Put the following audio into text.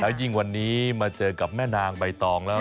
ยิ่งวันนี้มาเจอกับแม่นางใบตองแล้ว